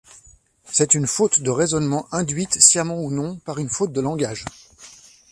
C'est une faute de raisonnement induite, sciemment ou non, par une faute de langage.